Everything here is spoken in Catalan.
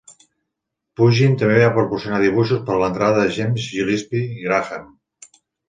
Pugin també va proporcionar dibuixos per a l'entrada de James Gillespie Graham.